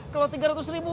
kalau tiga ratus ribu